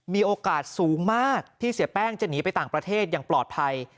มีโอกาสสูงมากที่เสียแป้งจะหนีไปต่างประเทศอย่างปลอดภัย